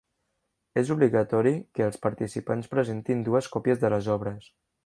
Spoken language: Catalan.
És obligatori que els participants presentin dues còpies de les obres.